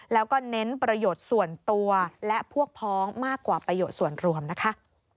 แล้วก็เน้นประโยชน์ส่วนตัวและพวกพ้องมากกว่าประโยชน์ส่วนรวมนะคะ